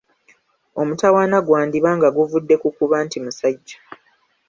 Omutawaana gwandiba nga guvudde ku kuba nti musajja.